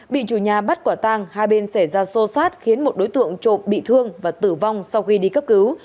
bị chủ nhà bắt quả tang hai bên xảy ra xô xát khiến một đối tượng trộm bị thương và tử vong sau khi đi cấp cứu